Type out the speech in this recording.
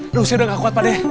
aduh saya udah gak kuat pakde